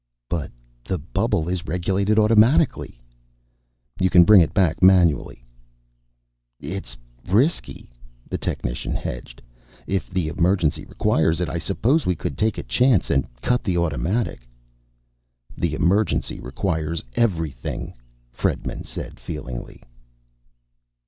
"But the bubble is regulated automatically." "You can bring it back manually." "It's risky." The technician hedged. "If the emergency requires it, I suppose we could take a chance and cut the automatic." "The emergency requires everything," Fredman said feelingly.